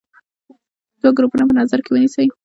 دوه ګروپونه په نظر کې ونیسئ.